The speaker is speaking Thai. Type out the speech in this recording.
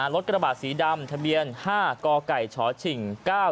รถกระบะสีดำทะเบียน๕กชฉิ่ง๙๗๖๔